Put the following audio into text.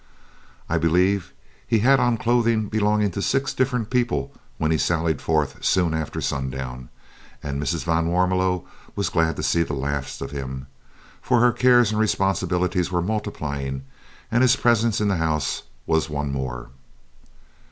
I believe he had on clothing belonging to six different people when he sallied forth soon after sundown, and Mrs. van Warmelo was glad to see the last of him, for her cares and responsibilities were multiplying, and his presence in the house was one more.